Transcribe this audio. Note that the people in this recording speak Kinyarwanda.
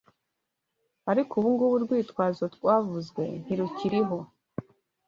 Ariko ubungubu urwitwazo rwavuzwe ntirukiriho